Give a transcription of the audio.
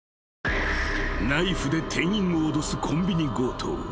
［ナイフで店員を脅すコンビニ強盗］